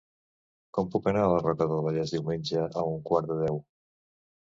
Com puc anar a la Roca del Vallès diumenge a un quart de deu?